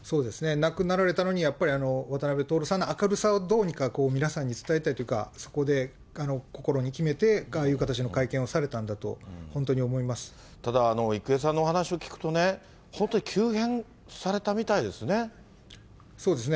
亡くなられたのに、やっぱり渡辺徹さんの明るさをどうにか皆さんに伝えたいというか、そこで心に決めて、ああいう形の会見をされたんだと、本当に思いただ、郁恵さんのお話を聞くとね、本当に急変されたみたいですね。